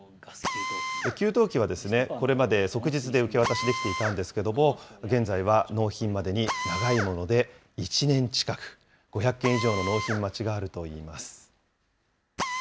給湯器はですね、これまで、即日で受け渡しできていたんですけれども、現在は納品までに長いもので１年近く、５００件以上の納品待ちがあるといいます。